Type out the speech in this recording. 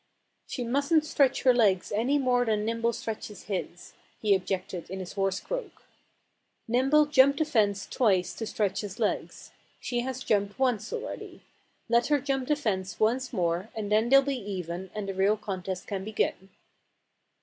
"She mustn't stretch her legs any more than Nimble stretches his," he objected in his hoarse croak. "Nimble jumped the fence twice to stretch his legs. She has jumped once already. Let her jump the fence once more and then they'll be even and the real contest can begin."